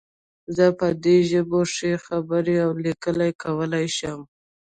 زه په دې ژبو ښې خبرې او لیکل کولی شم